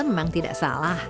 memang tidak salah